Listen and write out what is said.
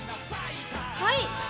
はい！